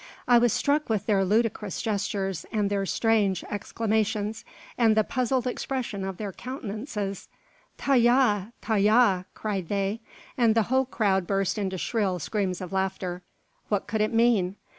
I was struck with their ludicrous gestures, their strange exclamations, and the puzzled expression of their countenances. "Ta yah! Ta yah!" cried they, and the whole crowd burst into shrill screams of laughter. What could it mean?